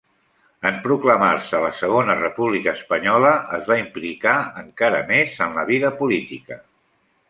En proclamar-se la Segona República Espanyola es va implicar encara més en la vida política.